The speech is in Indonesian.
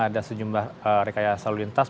ada sejumlah rekaya salur lintas